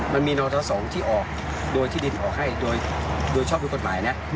มันมีนธ๒ที่ออกโดยที่ดินออกให้โดยชอบด้วยกฎหมายนะ